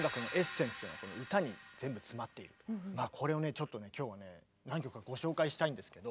ちょっと今日はね何曲かご紹介したいんですけど。